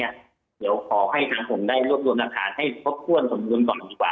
เดี๋ยวขอให้ทางห่วงได้รวบรวมหลักฐานให้พบกว้นสมบูรณ์ก่อนดีกว่า